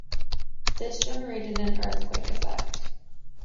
This generated an "earthquake effect".